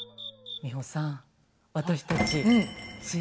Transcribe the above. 美穂さん